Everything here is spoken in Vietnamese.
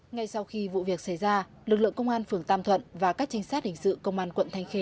ngay sau khi vụ việc xảy ra lực lượng công an phường tam thuận và các trinh sát hình sự công an quận thanh khê